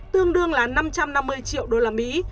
tương đương là năm trăm năm mươi triệu đô la mỹ